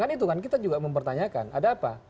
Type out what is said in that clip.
kan itu kan kita juga mempertanyakan ada apa